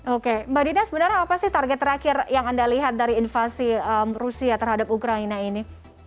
oke mbak dina sebenarnya apa sih target terakhir yang anda lihat dari invasi rusia terhadap ukraina ini